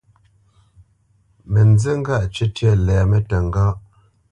Mə nzí ŋgâʼ cwítyə́ lɛmə́ təŋgáʼ.